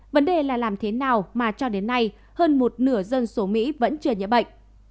vấn đề là làm thế nào mà cho đến nay hơn một nửa dân số mỹ vẫn chưa nhiễm bệnh